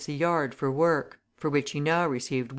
a yard for work, for which he now received 1d.